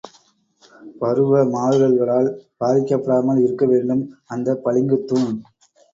பருவ மாறுதல்களால் பாதிக்கப்படாமல் இருக்கவேண்டும் அந்தப் பளிங்குத் தூண்!